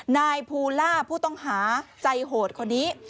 นายภูล่าผู้ต้องหาใจโหดคนนี้